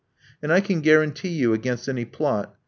And I can guarantee youag; ainst any plot.